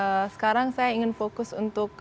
dan tentunya juga sekarang saya ingin fokus untuk